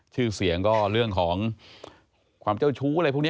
ชื่อเสียงก็เรื่องของความเจ้าชู้อะไรพวกนี้